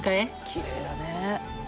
きれいだね。